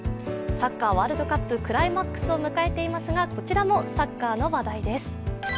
サッカーワールドカップクライマックスを迎えていますが、こちらもサッカーの話題です。